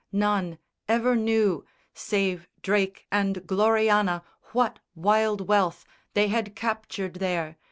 None ever knew Save Drake and Gloriana what wild wealth They had captured there.